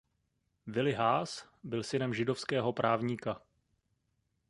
Willy Haas byl synem židovského právníka.